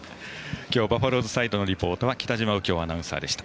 バファローズサイドのリポートは北嶋右京アナウンサーでした。